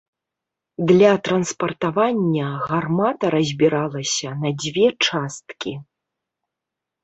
Для транспартавання гармата разбіралася на дзве часткі.